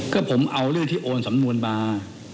ก็ผมเอาเรื่องที่โอนสำนวนมา